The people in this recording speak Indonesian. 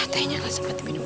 tehnya gak sempet dibinum